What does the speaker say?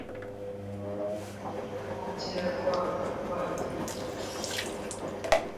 抱歉問個問題